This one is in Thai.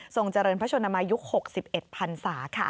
เจริญพระชนมายุค๖๑พันศาค่ะ